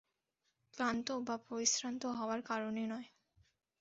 ক্লান্ত বা পরিশ্রান্ত হওয়ার কারণে নয়।